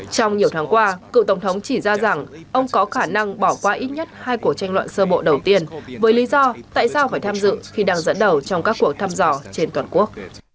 trong nhiều tháng qua cựu tổng thống chỉ ra rằng ông có khả năng bỏ qua ít nhất hai cuộc tranh luận sơ bộ đầu tiên với lý do tại sao phải tham dự khi đang dẫn đầu trong các cuộc thăm dò trên toàn quốc